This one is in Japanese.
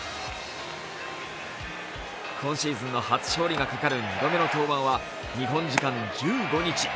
今シーズンの初勝利がかかる２度目の登板は日本時間１５日。